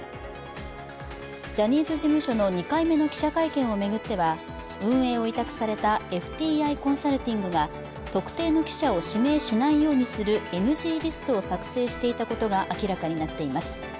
ジャニーズ事務所の２回目の記者会見を巡っては、運営を委託されたＦＴＩコンサルティングが特定の記者を指名しないようにするＮＧリストを作成していたことが明らかになっています。